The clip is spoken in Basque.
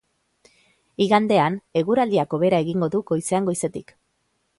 Igandean, eguraldiak hobera egingo du goizean goizetik.